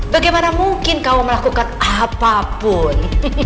bagaimana mungkin kau melakukan apapun